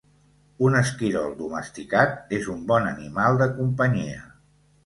Un esquirol domesticat és un bon animal de companyia.